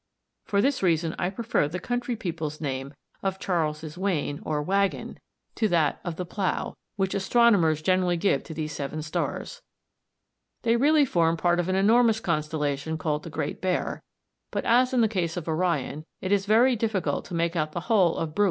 For this reason I prefer the country people's name of Charles's Wain or Waggon to that of the "Plough," which astronomers generally give to these seven stars. They really form part of an enormous constellation called the "Great Bear" (Fig. 59), but, as in the case of Orion, it is very difficult to make out the whole of Bruin in the sky.